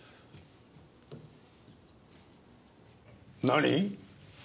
何？